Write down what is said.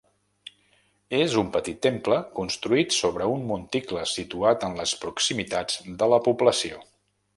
És un petit temple construït sobre un monticle situat en les proximitats de la població.